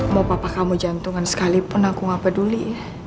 mau papa kamu jantungan sekalipun aku gak peduli